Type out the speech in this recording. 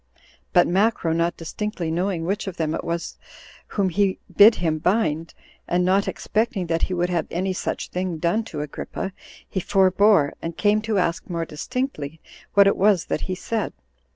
But Macro, not distinctly knowing which of them it was whom he bid him bind, and not expecting that he would have any such thing done to Agrippa, he forbore, and came to ask more distinctly what it was that he said.